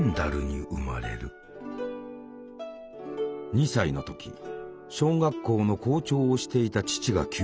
２歳の時小学校の校長をしていた父が急死。